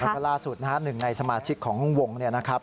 ภาพล่าสุดนะหนึ่งในสมาชิกของวงนะครับ